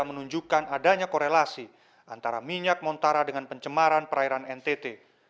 menunjukkan adanya korelasi antara minyak montara dengan pencemaran perairan ntt